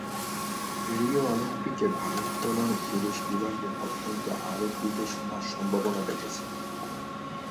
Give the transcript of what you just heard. Rio অলিম্পিকেই ভারোত্তলনে পুরুষ বিভাগে অন্তত আরও দুটো সোনার সম্ভাবনা দেখছেন।